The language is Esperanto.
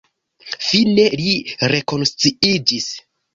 Fine li rekonsciiĝis.